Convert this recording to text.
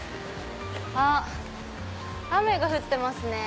あっ雨が降ってますね。